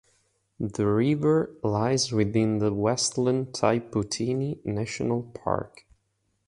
The river lies within the Westland Tai Poutini National Park.